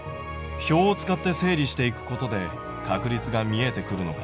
表を使って整理していくことで確率が見えてくるのかな？